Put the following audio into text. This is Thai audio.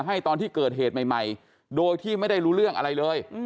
ให้ตอนที่เกิดเหตุใหม่โดยที่ไม่ได้รู้เรื่องอะไรเลย